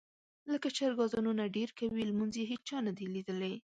لکه چرګ اذانونه ډېر کوي لمونځ یې هېچا نه دي لیدلي.